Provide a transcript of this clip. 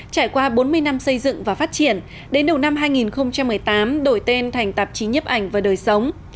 trải qua bốn mươi năm xây dựng và phát triển đến đầu năm hai nghìn một mươi tám đổi tên thành tạp chí nhấp ảnh và đời sống